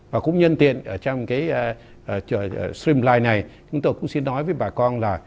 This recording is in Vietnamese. và cũng nhân tiện trong cái stream live này chúng tôi cũng xin nói với bà con là